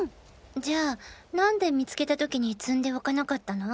じゃあ何で見つけた時に摘んでおかなかったの？